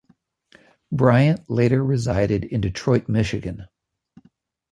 Bryant later resided in Detroit, Michigan.